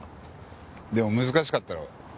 でも難しかったろ。